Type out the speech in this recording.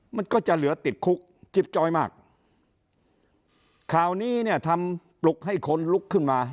มันก็จะเหลือติดคุกจิ๊บจ้อยมากข่าวนี้เนี่ยทำปลุกให้คนลุกขึ้นมา